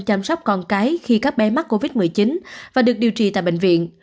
chăm sóc con cái khi các bé mắc covid một mươi chín và được điều trị tại bệnh viện